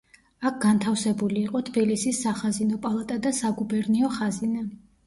აქ განთავსებული იყო თბილისის სახაზინო პალატა და საგუბერნიო ხაზინა.